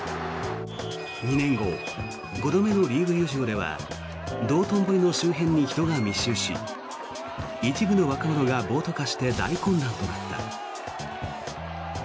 ２年後５度目のリーグ優勝では道頓堀の周辺に人が密集し一部の若者が暴徒化して大混乱となった。